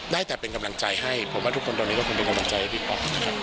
ได้แต่เป็นกำลังใจให้ผมว่าทุกคนตอนนี้ก็คงเป็นกำลังใจให้พี่ป๊อป